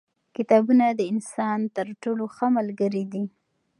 کتابونه د انسان تر ټولو ښه ملګري دي.